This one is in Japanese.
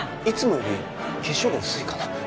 いつもより化粧が薄いかな。